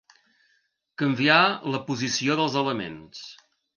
Canviar la posició dels elements.